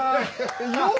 よっ！